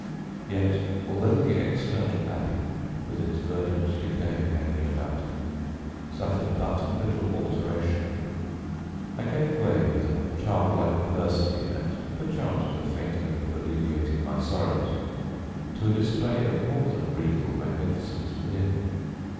Yet although the external abbey, with its verdant decay hanging about it, suffered but little alteration, I gave way, with a child like perversity, and perchance with a faint hope of alleviating my sorrows, to a display of more than regal magnificence within.